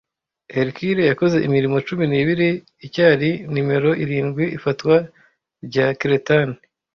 Hercules yakoze imirimo cumi n'ibiri icyari nimero irindwi Ifatwa rya Cretan